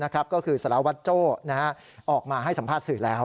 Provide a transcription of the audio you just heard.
ก็คือสารวัตรโจ้ออกมาให้สัมภาษณ์สื่อแล้ว